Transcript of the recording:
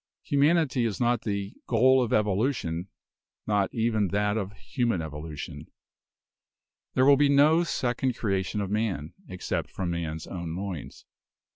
Humanity is not the 'goal of evolution,' not even that of human evolution. There will be no second creation of man, except from man's own loins.